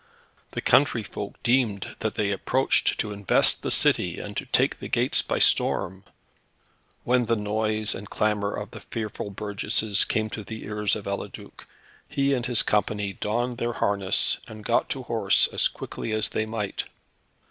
The country folk deemed that they approached to invest the city, and to take the gates by storm. When the noise and clamour of the fearful burgesses came to the ears of Eliduc, he and his company donned their harness, and got to horse, as quickly as they might.